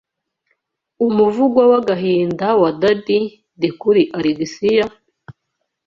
Umuvugo w’agahinda wa Dadi de kuri Alexiya: